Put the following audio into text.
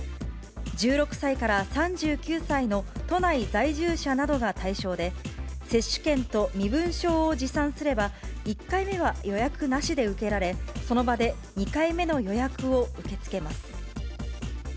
１６歳から３９歳の都内在住者などが対象で、接種券と身分証を持参すれば、１回目は予約なしで受けられ、その場で２回目の予約を受け付けます。